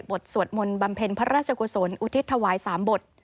สวดมนต์บำเพ็ญพระราชกุศลอุทิศถวาย๓บท